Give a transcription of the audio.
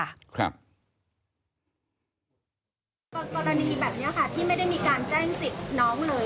กรณีแบบนี้ค่ะที่ไม่ได้มีการแจ้งสิทธิ์น้องเลย